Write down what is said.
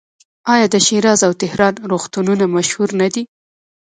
آیا د شیراز او تهران روغتونونه مشهور نه دي؟